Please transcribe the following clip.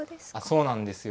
そうなんですよ。